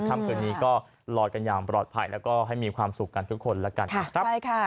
ค่ำคืนนี้ก็ลอยกันอย่างปลอดภัยแล้วก็ให้มีความสุขกันทุกคนแล้วกันนะครับ